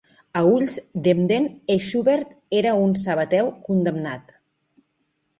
Als ulls d'Emden, Eybeschutz era un sabateu condemnat.